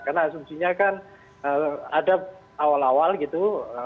karena asumsinya kan ada awal awal gitu